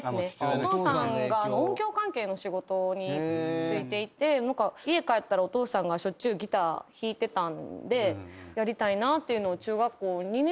お父さんが音響関係の仕事に就いていて家帰ったらお父さんがしょっちゅうギター弾いてたんでやりたいなっていうのを。